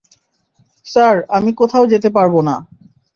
Sir, আমি কোথাও যেতে পারব না।